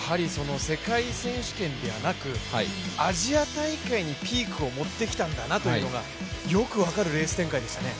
世界選手権ではなくアジア大会にピークを持ってきたんだなというのがよく分かるレース展開でしたね。